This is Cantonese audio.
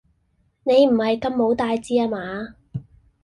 你唔係咁冇大志呀嘛？